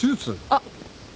あっ。